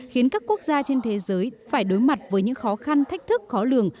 khiến các quốc gia trên thế giới phải đối mặt với những khó khăn thách thức khó lường